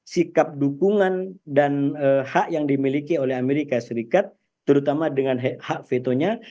sikap dukungan dan hak yang dimiliki oleh amerika serikat terutama dengan hak vetonya